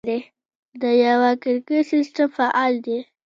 د یوه کړکۍ سیستم فعال دی؟